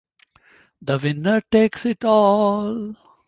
The winner takes it all.